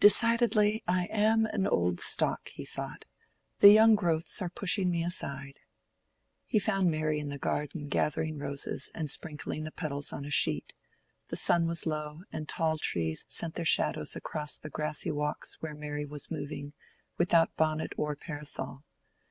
"Decidedly I am an old stalk," he thought, "the young growths are pushing me aside." He found Mary in the garden gathering roses and sprinkling the petals on a sheet. The sun was low, and tall trees sent their shadows across the grassy walks where Mary was moving without bonnet or parasol.